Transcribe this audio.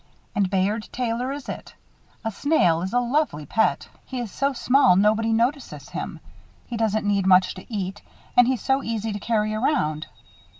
And Bayard Taylor is it. A snail is a lovely pet. He is so small that nobody notices him. He doesn't need much to eat and he's so easy to carry around."